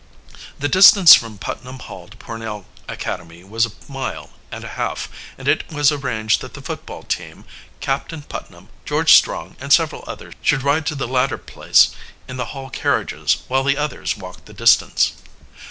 The distance from Putnam Hall to Pornell Academy was a mile and a half, and it was arranged that the football team, Captain Putnam, George Strong, and several others should ride to the latter place in the Hall carriages while the others walked the distance.